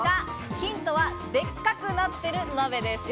ヒントはでっかくなってる鍋です。